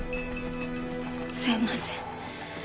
すいません。